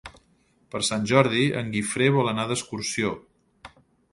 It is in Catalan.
Per Sant Jordi en Guifré vol anar d'excursió.